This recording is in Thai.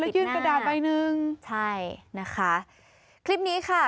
ยื่นกระดาษใบหนึ่งใช่นะคะคลิปนี้ค่ะ